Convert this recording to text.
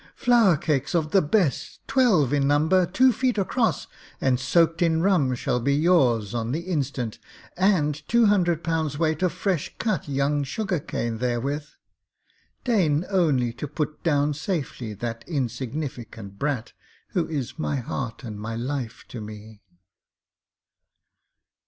'Flour cakes of the best, twelve in number, two feet across, and soaked in rum shall be yours on the instant, and two hundred pounds' weight of fresh cut young sugar cane therewith. Deign only to put down safely that insignificant brat who is my heart and my life to me.'